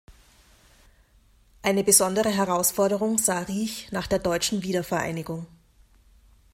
Eine besondere Herausforderung sah Riech nach der Deutschen Wiedervereinigung.